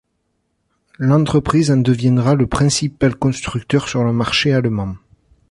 L'entreprise en deviendra le principal constructeur sur le marché allemand.